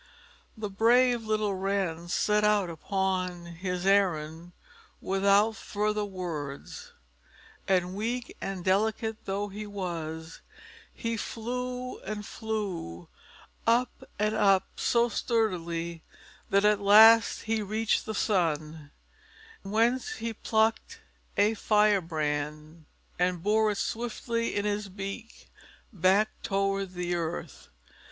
The brave little bird set out upon his errand without further words. And weak and delicate though he was, he flew and he flew up and up so sturdily that at last he reached the sun, whence he plucked a firebrand and bore it swiftly in his beak back toward the earth.